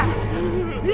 kemal ju gaga